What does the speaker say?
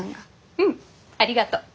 うんありがと。